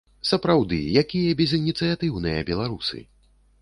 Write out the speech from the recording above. Сапраўды, якія безыніцыятыўныя беларусы!